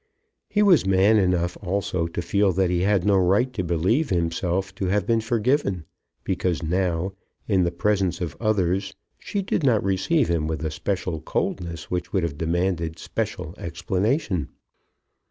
He was man enough also to feel that he had no right to believe himself to have been forgiven, because now, in the presence of others, she did not receive him with a special coldness which would have demanded special explanation.